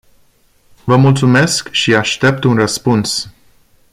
Vă mulțumesc și aștept un răspuns.